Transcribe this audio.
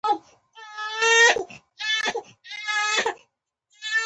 یوې مچۍ په یو زمري برید وکړ.